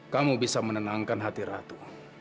kamu bisa menenangkan hati ratu